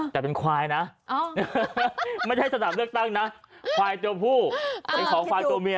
แต่เป็นควายนะไม่ใช่สนามเลือกตั้งนะควายตัวผู้เป็นของควายตัวเมีย